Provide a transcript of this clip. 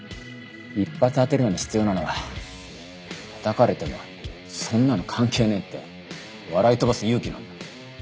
一発当てるのに必要なのはたたかれてもそんなの関係ねえって笑い飛ばす勇気なんだ。